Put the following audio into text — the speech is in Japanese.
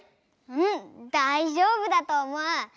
うんだいじょうぶだとおもう！